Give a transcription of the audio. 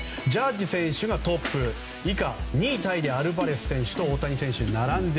ジャッジ選手がトップ以下、２位タイにアルバレス選手大谷選手が並ぶと。